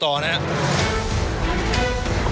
ท่องโรงพยาบาลทั่วไปอันนี้ก็ต้องชมเชยเขาล่ะครับ